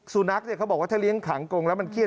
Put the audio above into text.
สุนัขเขาบอกว่าถ้าเลี้ยงขังกงแล้วมันเครียด